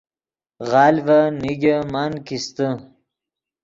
غلڤن نیگے من کیستے